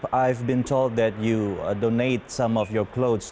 saya sudah diberitahu bahwa kamu memberikan beberapa pakaian ke mereka